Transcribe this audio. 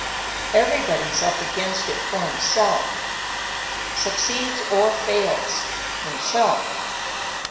"Everybody's up against it for himself, succeeds or fails—himself."